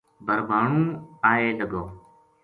بھربھانو آئے لگو